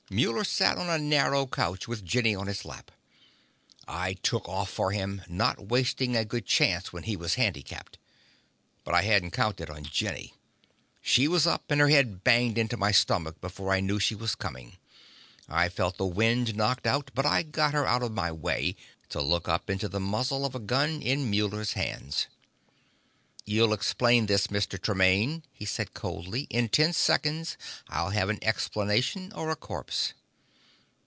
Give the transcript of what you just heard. Muller sat on a narrow couch with Jenny on his lap. I took off for him, not wasting a good chance when he was handicapped. But I hadn't counted on Jenny. She was up, and her head banged into my stomach before I knew she was coming. I felt the wind knocked out, but I got her out of my way to look up into the muzzle of a gun in Muller's hands. "You'll explain this, Mr. Tremaine," he said coldly. "In ten seconds, I'll have an explanation or a corpse."